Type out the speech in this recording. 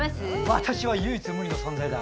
私は唯一無二の存在だ。